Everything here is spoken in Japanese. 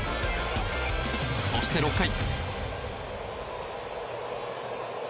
そして６回。